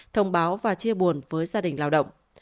thông báo và chia buồn với gia đình lao động